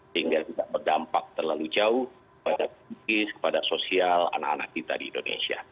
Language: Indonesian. sehingga tidak berdampak terlalu jauh kepada kisah kepada sosial anak anak kita di indonesia